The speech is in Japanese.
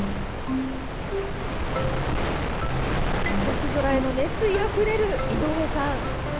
星空への熱意あふれる井上さん。